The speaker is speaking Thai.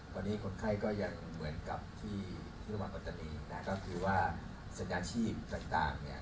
วันนี้คนไข้ก็ยังเหมือนกับที่คือว่าสัญญาชีพต่างป่านเนี้ย